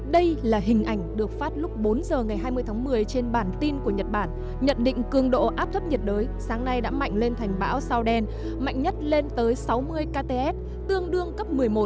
đây là hình ảnh được phát lúc bốn h ngày hai mươi tháng một mươi trên bản tin của nhật bản nhận định cường độ áp thấp nhiệt đới sáng nay đã mạnh lên thành bão sao đen mạnh nhất lên tới sáu mươi kts tương đương cấp một mươi một